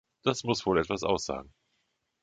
Das muss wohl etwas aussagen.